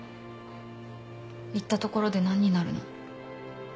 言ったところで何になるの？